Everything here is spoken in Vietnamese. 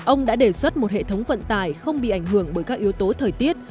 ông đã đề xuất một hệ thống vận tải không bị ảnh hưởng bởi các yếu tố thời tiết